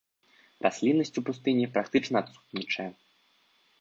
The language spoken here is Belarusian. Расліннасць у пустыні практычна адсутнічае.